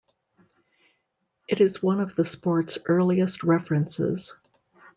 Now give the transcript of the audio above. It is one of the sport's earliest references.